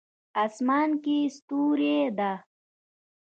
په اسمان کې ستوری ده